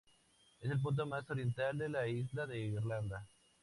Es el punto más oriental de la isla de Irlanda.